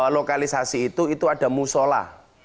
lokalisasi itu itu ada musola